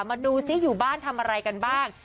มาดูซิอยู่บ้านทำอะไรกันบ้าง